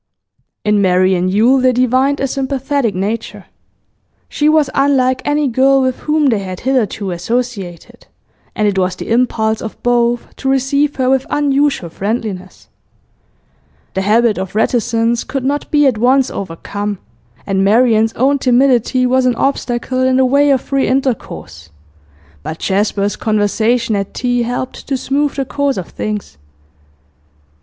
In Marian Yule they divined a sympathetic nature. She was unlike any girl with whom they had hitherto associated, and it was the impulse of both to receive her with unusual friendliness. The habit of reticence could not be at once overcome, and Marian's own timidity was an obstacle in the way of free intercourse, but Jasper's conversation at tea helped to smooth the course of things.